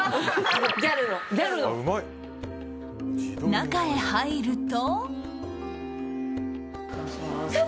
中へ入ると。